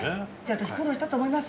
私苦労したと思います